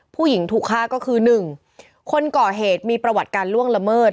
ผู้หญิงถูกฆ่าก็คือ๑คนก่อเหตุมีประวัติการล่วงละเมิด